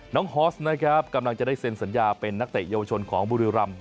ฮอสนะครับกำลังจะได้เซ็นสัญญาเป็นนักเตะเยาวชนของบุรีรำ